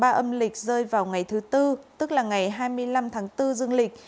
ba âm lịch rơi vào ngày thứ tư tức là ngày hai mươi năm tháng bốn dương lịch